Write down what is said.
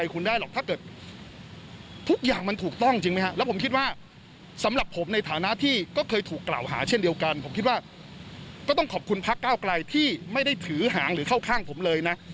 คุณพะก้าวกลายที่ไม่ได้ถือหางหรือข้างผมเลยนะ